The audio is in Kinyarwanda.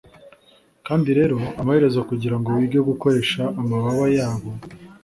Kandi rero amaherezo kugirango wige gukoresha amababa yabo